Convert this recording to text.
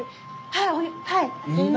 はい。